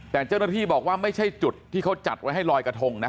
แต่เจ้าหน้าที่บอกว่าไม่ใช่จุดที่เขาจัดไว้ให้ลอยกระทงนะ